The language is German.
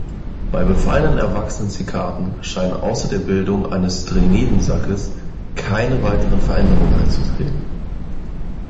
Bei befallenen erwachsenen Zikaden scheinen außer der Bildung eines Dryiniden-Sackes keine weiteren Veränderungen einzutreten.